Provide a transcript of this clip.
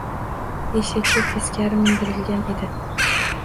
Eshakka teskari mindirilgan edi.